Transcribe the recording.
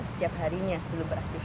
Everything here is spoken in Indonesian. setiap harinya sebelum beraktifitas